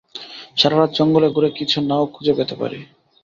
সারারাত জঙ্গলে ঘুরে কিছু নাও খুঁজে পেতে পারি।